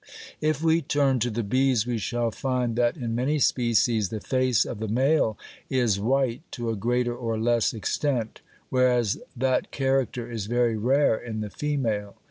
If we turn to the bees we shall find that in many species the face of the male is white to a greater or less extent, whereas that character is very rare in the female.